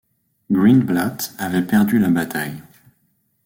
Greenblatt avait perdu la bataille.